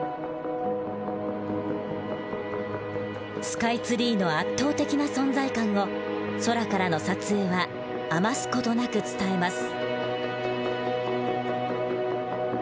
スカイツリーの圧倒的な存在感を空からの撮影は余す事なく伝えます。